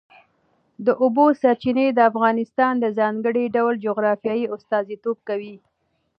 د اوبو سرچینې د افغانستان د ځانګړي ډول جغرافیه استازیتوب کوي.